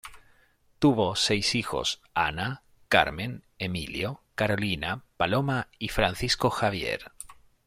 Tuvo seis hijos: Ana, Carmen, Emilio, Carolina, Paloma y Francisco Javier.